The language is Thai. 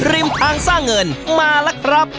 ริมทางซ่าเงินมาล่ะครับ